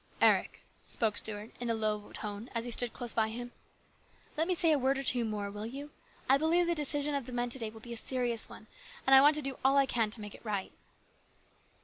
" Eric," spoke Stuart in a low tone as he stoocT close by him, " let me say a word or two more, will you ? I believe the decision of the men to day will be a serious one, and I want to do all I can to make it right."